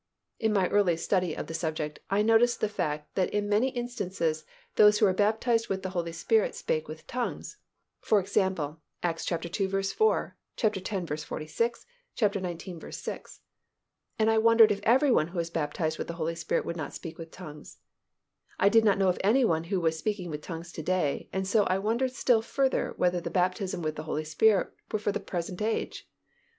In my early study of the subject, I noticed the fact that in many instances those who were baptized with the Holy Spirit spake with tongues (e. g., Acts ii. 4; x. 46; xix. 6) and I wondered if every one who was baptized with the Holy Spirit would not speak with tongues. I did not know of any one who was speaking with tongues to day and so I wondered still further whether the baptism with the Holy Spirit were for the present age.